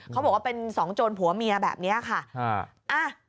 เขาบอกว่าเป็นสองโจรผัวเมียแบบนี้ค่ะ